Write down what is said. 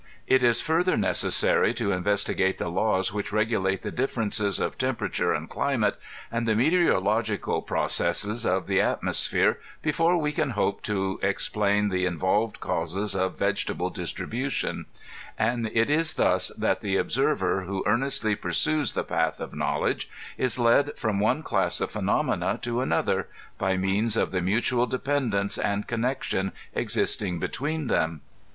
It is further necessary to in vestigate the laws which regulate the differences of tempera ture and climate, and the meteorological processes of the at^ mosphere, before we can hope to explain the involved causes of vegetable distribution ; and it is thus that the observer who earnestly pursues the path of knowledge ia led from one class of phenomena to another, by means of the mutual dependence and connection existing between them.